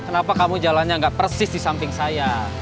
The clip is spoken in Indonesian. kenapa kamu jalannya nggak persis di samping saya